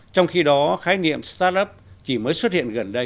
trong khi đó khái niệm sản phẩm chỉ mới xuất hiện gần đây